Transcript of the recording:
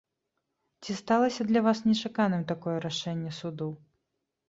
Ці сталася для вас нечаканым такое рашэнне суду?